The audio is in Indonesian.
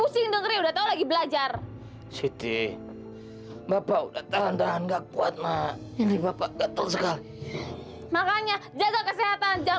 sampai jumpa di video selanjutnya